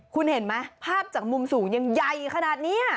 คุณเห็นไหมภาพจากมุมสูงยังใหญ่ขนาดนี้